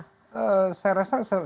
saya rasa selama ini komunikasi